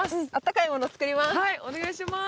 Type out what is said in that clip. はいお願いします